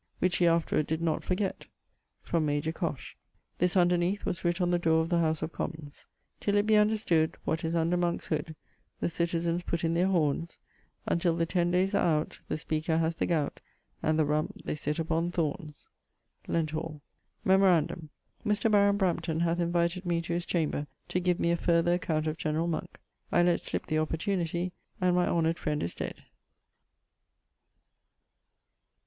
which he afterward did not forget: from major Cosh. This underneath was writt on the dore of the House of Commons. Till it be understood What is under Monke's hood, The citizens putt in their hornes. Untill the ten dayes are out, The Speaker[XXXIV.] haz the gowt, And the Rump, they sitt upon thornes. [XXXIV.] Lenthall. Memorandum: Mr. Baron Brampton hath invited me to his chamber to give me a farther account of generall Monk. I let slip the opportunity, and my honoured friend is dead.